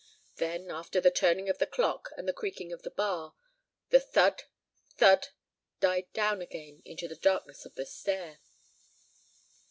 Then, after the turning of the lock and the creaking of the bar, the thud, thud died down again into the darkness of the stair.